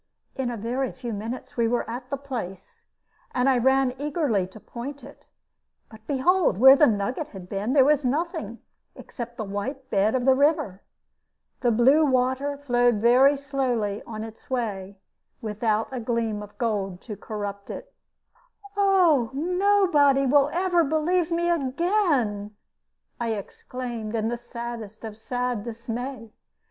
In a very few minutes we were at the place, and I ran eagerly to point it; but behold, where the nugget had been, there was nothing except the white bed of the river! The blue water flowed very softly on its way, without a gleam of gold to corrupt it. "Oh, nobody will ever believe me again!" I exclaimed, in the saddest of sad dismay.